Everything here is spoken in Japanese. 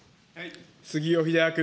杉尾秀哉君。